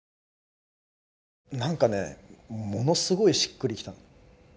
なんかねものすごいしっくりきた。